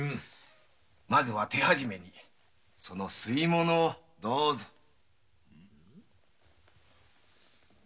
まずは手始めにその吸い物をどうぞ。